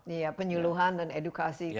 iya penyeluhan dan edukasi